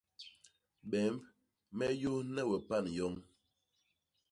Bemb me yônhe we pan yoñ.